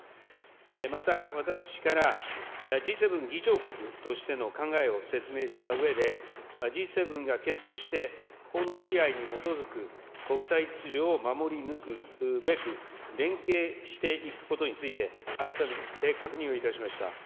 また、私からＧ７議長国としての考えを説明したうえで、Ｇ７が結束して法の支配に基づく国際秩序を守り抜くべく、連携していくことについて、改めて確認をいたしました。